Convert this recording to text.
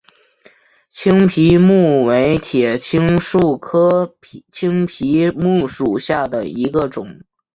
青皮木为铁青树科青皮木属下的一个种。